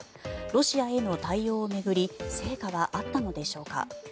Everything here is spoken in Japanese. ロシアへの対応を巡り成果はあったのでしょうか。